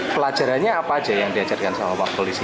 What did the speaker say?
pelajarannya apa saja yang diajarkan oleh bapak polisi